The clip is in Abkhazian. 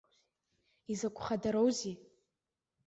Изакә хыдароузеи!